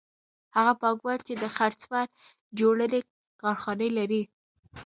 هغه پانګوال چې د څرمن جوړونې کارخانه لري